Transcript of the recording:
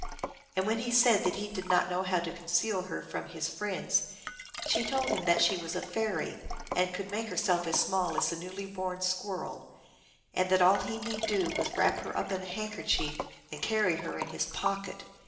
And when he said that he did not know how to conceal her from his friends she told him that she was a fairy, and could make herself as small as a newly born squirrel, and that all he need do was to wrap her up in a handkerchief and carry her in his pocket.